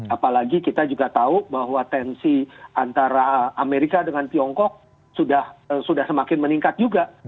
apalagi kita juga tahu bahwa tensi antara amerika dengan tiongkok sudah semakin meningkat juga